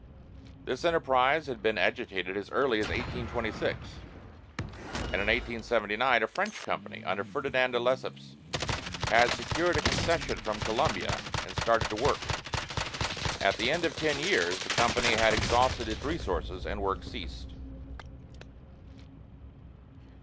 This enterprise had been agitated as early as 1826, and in 1879 a French company under Ferdinand de Lesseps had secured a concession from Colombia and started to work. At the end of ten years, the company had exhausted its resources and work ceased.